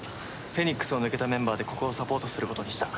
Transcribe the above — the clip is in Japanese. フェニックスを抜けたメンバーでここをサポートすることにした。